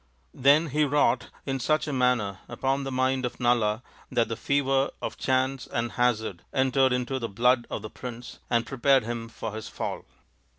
" Then he wrought in such a manner upon the mind of Nala that the fever of chance and hazard entered into the blood of the prince and prepared him for his fall.